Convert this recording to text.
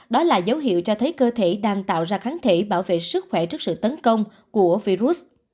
đó là dấu hiệu cho thấy cơ thể đang tạo ra kháng thể bảo vệ sức khỏe trước sự tấn công của virus